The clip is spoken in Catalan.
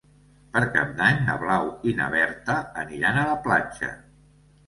Per Cap d'Any na Blau i na Berta aniran a la platja.